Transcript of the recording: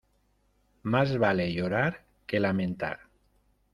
Más vale llorar que lamentar.